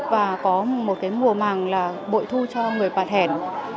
và có một mùa màng bội thu cho người bà thẻn